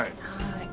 はい。